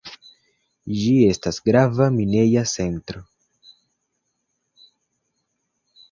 Ĝi estas grava mineja centro.